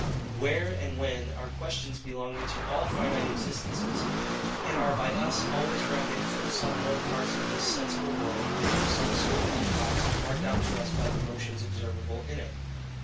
WHERE and WHEN are questions belonging to all finite existences, and are by us always reckoned from some known parts of this sensible world, and from some certain epochs marked out to us by the motions observable in it.